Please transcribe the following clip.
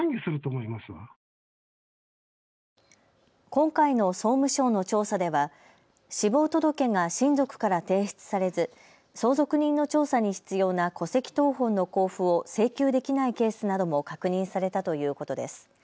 今回の総務省の調査では死亡届が親族から提出されず相続人の調査に必要な戸籍謄本の交付を請求できないケースなども確認されたということです。